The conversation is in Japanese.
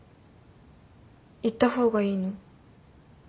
行った方がいいの？